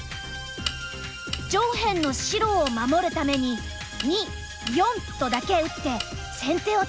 上辺の白を守るために②④とだけ打って先手を取った。